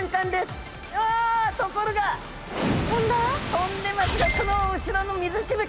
飛んでますがその後ろの水しぶき